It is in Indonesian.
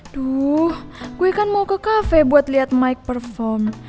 duh gue kan mau ke cafe buat lihat mic perform